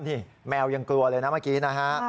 นี่แมวยังกลัวเลยนะเมื่อกี้นะฮะ